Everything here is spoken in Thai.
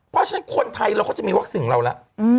เพราะฉะนั้นคนไทยเราก็จะมีวัคซีนของเราแล้ว